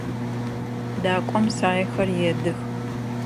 Дакӏом саехэр едых.